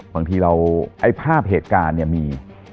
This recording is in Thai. บางทีเราภาพเหตุการณ์มี